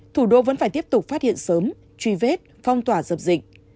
thủ đô vẫn phải tiếp tục phát hiện sớm truy vết phong tỏa dập dịch